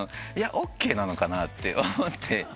「ＯＫなのかな？」って思って。